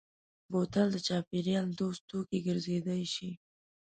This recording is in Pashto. بوتل د چاپېریال دوست توکی ګرځېدای شي.